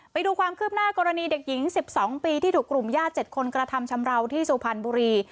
ไปดูความคืบหน้ากรณีเด็กหญิง๑๒ปีที่ถูกกลุ่มญาติ๗คนกระทำชำราวที่สุพรรณบุรี